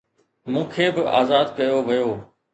مون کي به آزاد ڪيو ويو